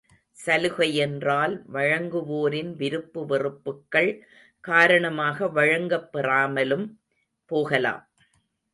சலுகையென்றால் வழங்குவோரின் விருப்பு வெறுப்புக்கள் காரணமாக வழங்கப்பெறாமலும் போகலாம்.